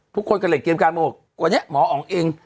ทุกคนก็เลยเตรียมการมาบอกวันนี้หมออ๋องเอง